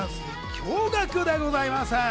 驚愕でございます。